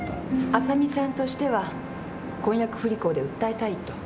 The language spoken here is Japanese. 麻美さんとしては婚約不履行で訴えたいと。